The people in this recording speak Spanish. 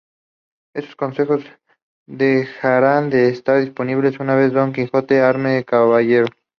Estos consejos dejarán de estar disponibles una vez Don Quijote se arme caballero.